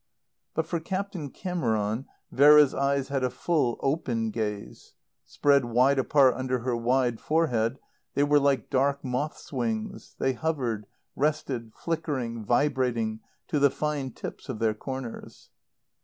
But for Captain Cameron Vera's eyes had a full, open gaze. Spread wide apart under her wide forehead they were like dark moth's wings; they hovered, rested, flickering, vibrating to the fine tips of their corners.